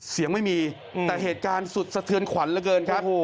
เสียงไม่มีแต่เหตุการณ์สุดสะเทือนขวัญเหลือเกินครับ